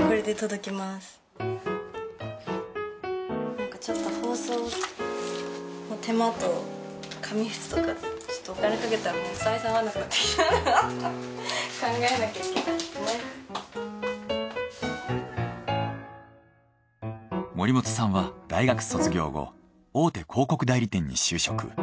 なんかちょっと森本さんは大学卒業後大手広告代理店に就職。